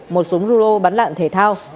một súng ruro bắn đạn thể thao